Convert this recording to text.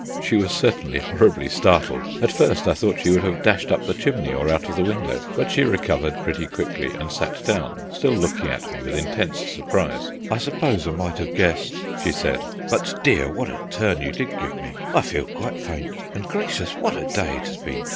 '" She was certainly horribly startled. At first I thought she would have dashed up the chimney or out of the window; but she recovered pretty quickly and sat down, still looking at me with intense surprise. "I suppose I might have guessed," she said; "but dear! what a turn you did give me! I feel quite faint; and gracious! what a day it has been!